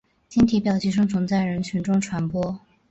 经体表寄生虫在人群中传播。